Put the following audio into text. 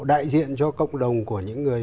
đại diện cho cộng đồng của những người